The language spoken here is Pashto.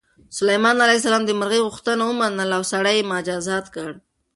سلیمان علیه السلام د مرغۍ غوښتنه ومنله او سړی یې مجازات کړ.